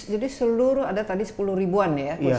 jadi seluruh ada tadi sepuluh ribuan ya